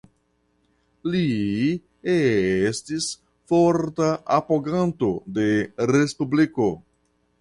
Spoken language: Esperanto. Li estis forta apoganto de respubliko.